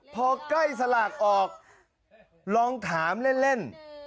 พอใกล้สลากออกลองถามเล่น